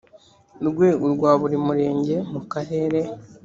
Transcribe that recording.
rwego rwa buri murenge mu karere